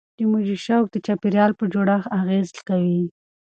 موجي شوک د چاپیریال په جوړښت اغېزه کوي.